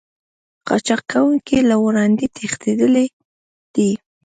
قاچاق کوونکي له وړاندې تښتېدلي دي